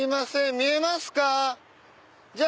見えますか？